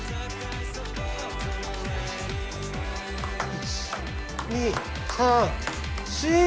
１２３４！